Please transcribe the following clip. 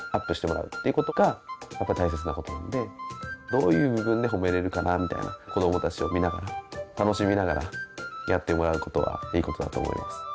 どういう部分で褒めれるかなみたいな子どもたちを見ながら楽しみながらやってもらうことがいいことだと思います。